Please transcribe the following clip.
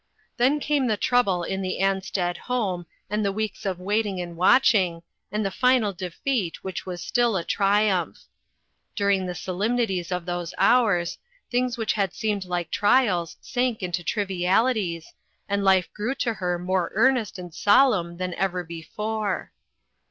Then came the trouble in the Ansted home, and the weeks of waiting and watching, and the final defeat which was still a triumph. During the solem nities of those hours, things which had seemed like trials sank into trivialities, arid life grew to her more earnest and solemn than ever before.